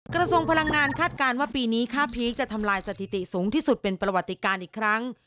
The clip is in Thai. กระทรวงพลังงานคาดการณ์ว่าปีนี้ค่าพีคจะทำลายสถิติสูงที่สุดเป็นประวัติการอีกครั้ง